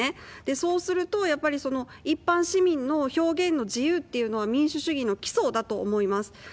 そうするとやっぱり、一般市民の表現の自由っていうのは、民主主義の基礎だと思います。